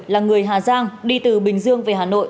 là người hà giang đi từ bình dương về hà nội